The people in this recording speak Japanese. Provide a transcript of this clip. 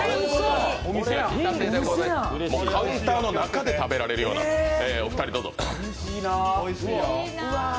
カウンターの中で食べられるようなお二人、どうぞ。